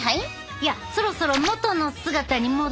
いやそろそろもとの姿に戻してえな。